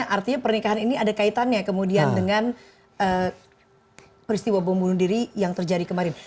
artinya pernikahan ini ada kaitannya kemudian dengan peristiwa bom bunuh diri yang terjadi kemarin